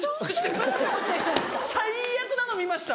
最悪なの見ました。